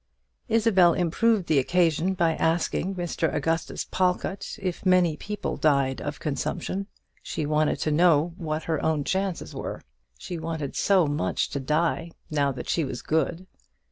Isabel improved the occasion by asking, Mr. Augustus Pawlkatt if many people died of consumption. She wanted to know what her own chances were. She wanted so much to die, now that she was good.